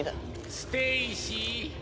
ステイシー。